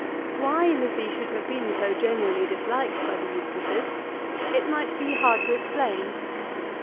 Why Lizzie should have been so generally disliked by the Eustaces, it might be hard to explain.